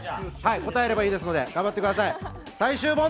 答えればいいですので頑張ってください。